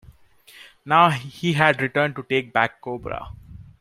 Now, he had returned to take back Cobra.